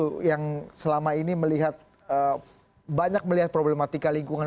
mas untung yang selama ini banyak melihat problematika lingkungan